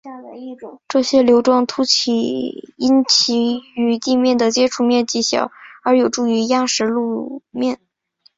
这些瘤状突起因其与地面的接触面积小而有助于压实路面。